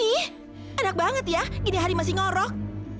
ih enak banget ya gini hari masih ngorok